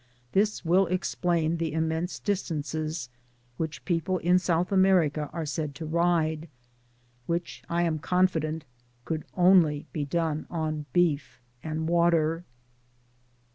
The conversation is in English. This will explain the immense distances which people in South America are said to ride, which I am confident could only be done on beef and water.